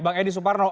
bang edi suparno